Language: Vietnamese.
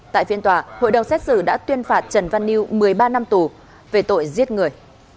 tại phiên tòa hội đồng xét xử đã tuyên phạt trần văn yêu một mươi ba năm tù về tội giết người